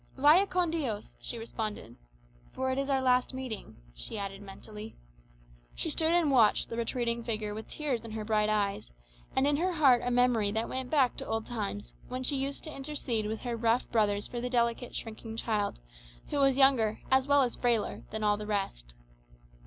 "Vaya con Dios," she responded. "For it is our last meeting," she added mentally. She stood and watched the retreating figure with tears in her bright eyes, and in her heart a memory that went back to old times, when she used to intercede with her rough brothers for the delicate shrinking child, who was younger, as well as frailer, than all the rest.